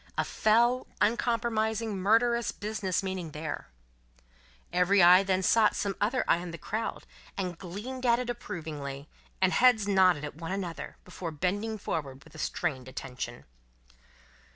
A fell, uncompromising, murderous business meaning there. Every eye then sought some other eye in the crowd, and gleamed at it approvingly; and heads nodded at one another, before bending forward with a strained attention.